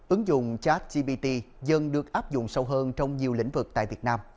ứng dụng chat gpt dần được áp dụng sâu hơn trong nhiều lĩnh vực tại việt nam